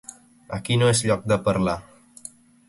Aquí no és lloc de parlar.